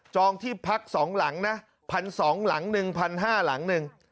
จองที่พักสองหลังนะพันสองหลังหนึ่งพันห้าหลังหนึ่ง